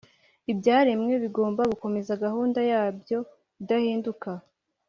Ibyaremwe bigomba gukomeza gahunda yabyo idahinduka.